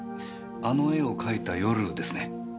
あの絵を描いた夜ですね。